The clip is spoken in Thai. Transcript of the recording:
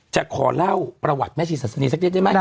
จะขอเล่าประวัติแม่ชีศาสนีสักนิดได้ไหม